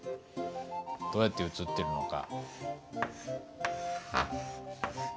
どうやって映ってるのか。